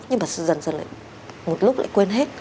nhưng mà dần dần lại một lúc lại quên hết